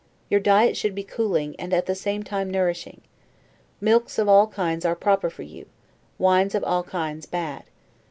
Your diet should be cooling, and at the same time nourishing. Milks of all kinds are proper for you; wines of all kinds bad.